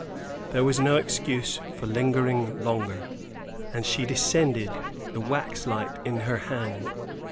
There was no excuse for lingering longer, and she descended, the waxlight in her hand.